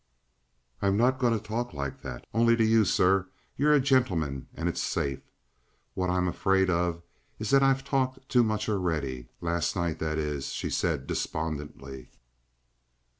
"I'm not going to talk like that only to you, sir. You're a gentleman, and it's safe. What I'm afraid of is that I've talked too much already last night that is," she said despondently.